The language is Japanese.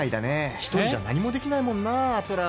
１人じゃ何もできないもんなあんたらは。